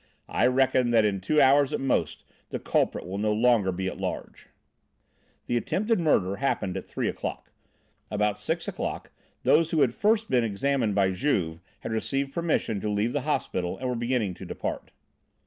I reckon that in two hours at most the culprit will no longer be at large." The attempted murder happened at three o'clock; about six o'clock, those who had first been examined by Juve had received permission to leave the hospital and were beginning to depart.